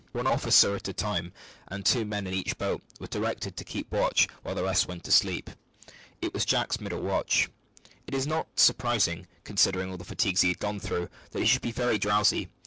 One officer at a time and two men in each boat were directed to keep watch while the rest went to sleep. It was Jack's middle watch. It is not surprising, considering all the fatigues he had gone through, that he should be very drowsy.